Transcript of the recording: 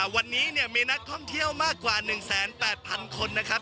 วันนี้มีนักท่องเที่ยวมากกว่า๑๘๐๐๐คนนะครับ